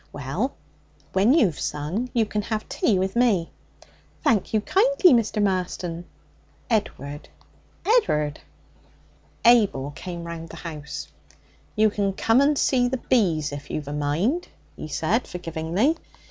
'Well, when you've sung, you can have tea with me.' 'Thank you kindly, Mr. Marston.' 'Edward.' 'Ed'ard.' Abel came round the house. 'You can come and see the bees, if you've a mind,' he said forgivingly.